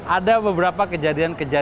ada beberapa kejadian kecerdasan